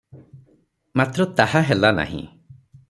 ମାତ୍ର ତାହା ହେଲା ନାହିଁ ।